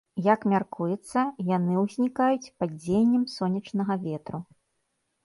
Як мяркуецца, яны ўзнікаюць з-за пад дзеяннем сонечнага ветру.